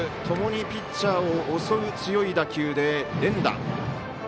ともにピッチャーを襲う強い打球で連打。